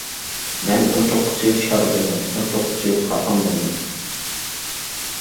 مەن ئون توققۇز يىل شار بولدۇم، ئون توققۇز يىل خاقان بولدۇم.